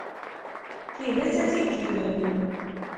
Tidet, ad tt-id-tinim.